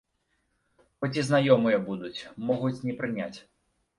Хоць і знаёмыя будуць, могуць не прыняць.